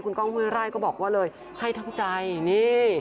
กล้องห้วยไร่ก็บอกว่าเลยให้ทั้งใจนี่